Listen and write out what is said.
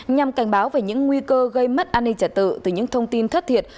nhằm cảnh báo về những nguy cơ gây mất an ninh trả tự từ những thông tin thất thiệt